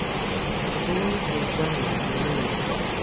The boys were genuinely moved.